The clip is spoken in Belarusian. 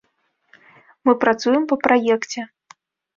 Мы працуем па праекце.